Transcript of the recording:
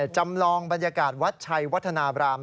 จำลองบรรยากาศวัดชัยวัฒนาบราม